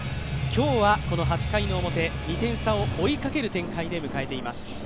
今日は８回表、２点差を追いかける展開で迎えています。